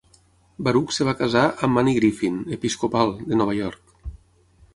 Baruch es va casar amb Annie Griffin, episcopal, de Nova York.